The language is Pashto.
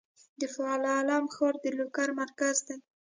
د پل علم ښار د لوګر مرکز دی